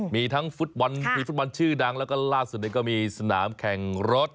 มีทั้งฟุตบอลมีฟุตบอลชื่อดังแล้วก็ล่าสุดก็มีสนามแข่งรถ